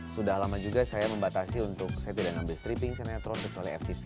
sudah lama juga saya membatasi untuk saya tidak ambil stripping sinetro seksuali ftv